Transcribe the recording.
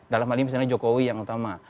dalam hal ini misalnya jokowi yang utama